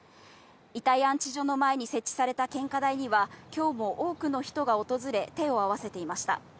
遺体安置所の前に設置された献花台には今日も多くの人が訪れ、手を合わせていました。